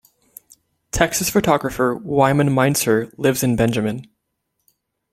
Texas photographer Wyman Meinzer lives in Benjamin.